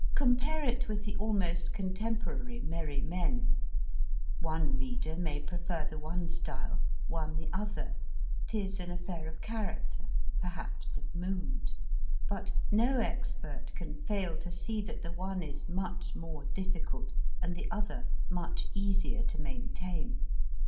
Compare it with the almost contemporary Merry Men ; one reader may prefer the one style, one the other tis .an affair of character, perhaps of mood ; but no expert can fail to see that the one is much more difficult, and the other much easier to maintain.